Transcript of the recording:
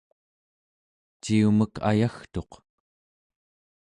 ciumek ayagtuq